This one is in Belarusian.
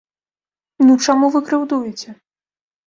Ну чаму вы крыўдуеце?